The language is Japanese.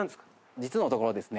実のところですね